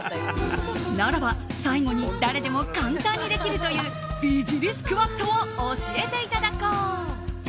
ならば最後に誰でも簡単にできるという美尻スクワットを教えていただこう。